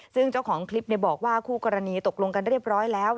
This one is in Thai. ซึ่งเจ้าของคลิปบอกว่าคู่กรณีตกลงกันเรียบร้อยแล้ว